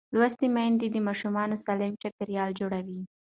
لوستې میندې د ماشوم سالم چاپېریال جوړوي.